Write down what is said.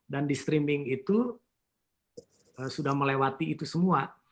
dan di streaming itu sudah melewati itu semua